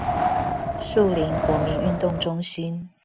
樹林國民運動中心